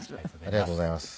ありがとうございます。